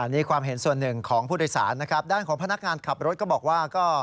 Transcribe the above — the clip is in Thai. นี่ความเห็นส่วนหนึ่งของผู้โดยสารนะครับด้านของพนักงานขับรถก็บอกว่าก็